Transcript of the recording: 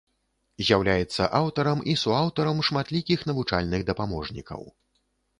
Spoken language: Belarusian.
З'яўляецца аўтарам і суаўтарам шматлікіх навучальных дапаможнікаў.